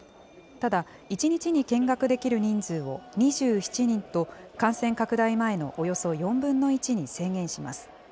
ただ、１日に見学できる人数を、２７人と、感染拡大前のおよそ４分の１に制限します。